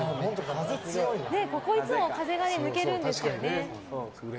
ここ、いつも風が抜けるんですよね。